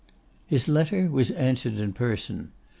His letter was answered in person.